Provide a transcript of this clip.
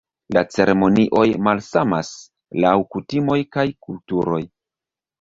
La ceremonioj malsamas laŭ kutimoj kaj kulturoj.